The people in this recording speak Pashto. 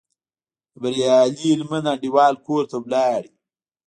د بریالي هلمند انډیوال کور ته ولاړو.